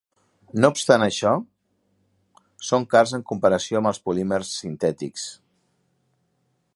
No obstant això, són cars en comparació amb els polímers sintètics.